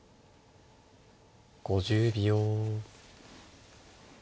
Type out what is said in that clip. ５０秒。